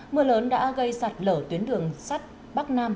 mưa lớn đã gây sạt lở tuyến đường sắt bắc nam